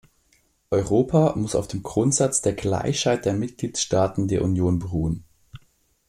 Europa muss auf dem Grundsatz der Gleichheit der Mitgliedstaaten der Union beruhen.